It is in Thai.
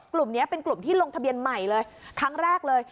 กลุ่มนี้เป็นกลุ่มที่ลงทะเบียนใหม่เลยครั้งแรกเลย